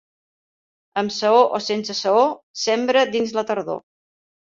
Amb saó o sense saó, sembra dins la tardor.